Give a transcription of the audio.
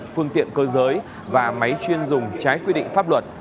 phương tiện cơ giới và máy chuyên dùng trái quy định pháp luật